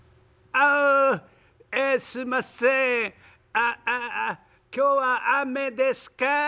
あっあっ今日は雨ですか？」。